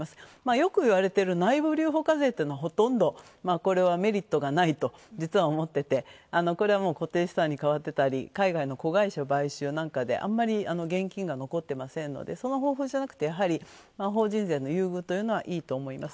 よく言われてる内部留保課税というのはほとんど、これはメリットがないと実は思ってて、これは固定資産に変わってたり海外の子会社買収なんかであんまり現金が残ってませんのでその方法じゃなくて、やはり法人税の優遇というのはいいと思います。